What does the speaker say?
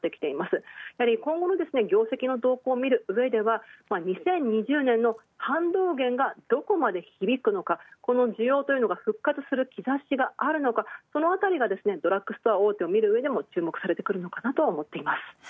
やはり今後の業績の動向を見るうえでは２０２０年の反動減がどこまで響くのか、この需要というのが復活する兆しがあるのかそのあたりがドラッグストア大手を見るのが注目かと思います。